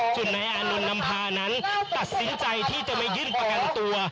นายอานนท์นำพานั้นตัดสินใจที่จะไม่ยื่นประกันตัว